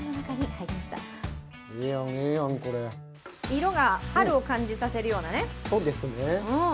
色が春を感じさせるようなね。